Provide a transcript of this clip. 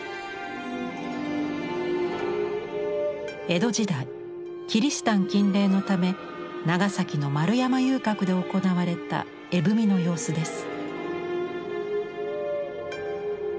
江戸時代キリシタン禁令のため長崎の丸山遊郭で行われた絵踏みの様子です。